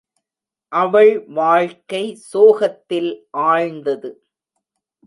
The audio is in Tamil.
அவள் வாழ்க்கை சோகத்தில் ஆழ்ந்தது.